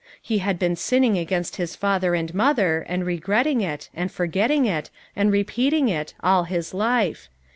Ho had been sinning against Ins father and mother and re gretting it, and forgetting it, and repeating it, all his life.